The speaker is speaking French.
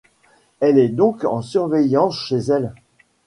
Elle est donc en surveillance chez elle.